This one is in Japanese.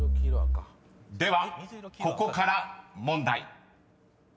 ［ではここから問題］